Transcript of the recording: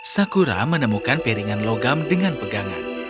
sakura menemukan piringan logam dengan pegangan